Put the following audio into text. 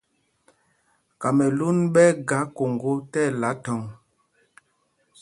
Kamɛlûn ɓɛ́ ɛ́ ga Koŋgō tí ɛla thɔ̂ŋ.